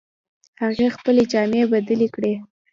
هغې خپلې جامې بدلې کړې